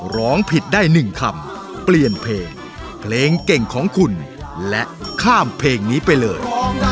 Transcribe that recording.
ร้องผิดได้๑คำเปลี่ยนเพลงเพลงเก่งของคุณและข้ามเพลงนี้ไปเลย